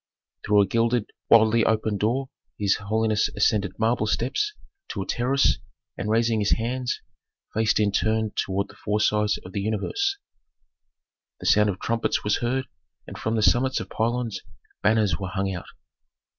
Through a gilded, widely opened door his holiness ascended marble steps to a terrace, and, raising his hands, faced in turn toward the four sides of the universe. The sound of trumpets was heard, and from the summits of pylons banners were hung out.